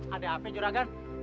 ada apa juragan